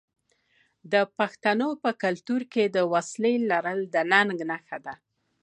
د پښتنو په کلتور کې د وسلې لرل د ننګ نښه ده.